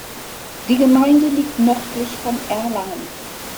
Die Gemeinde liegt nördlich von Erlangen.